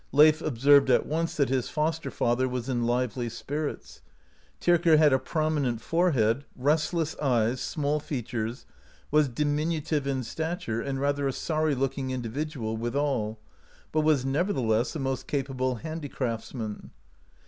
Leif observed at once that his foster father was in lively spirits. Tyrker had a prominent forehead, restless eyes, small features^ was diminutive in stature, and rather a sorry looking individual withal, but was, nevertheless, a most capable handicraftsman.